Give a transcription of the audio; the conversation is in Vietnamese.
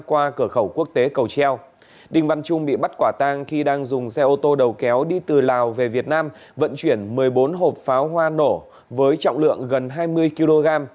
qua cửa khẩu quốc tế cầu treo đinh văn trung bị bắt quả tang khi đang dùng xe ô tô đầu kéo đi từ lào về việt nam vận chuyển một mươi bốn hộp pháo hoa nổ với trọng lượng gần hai mươi kg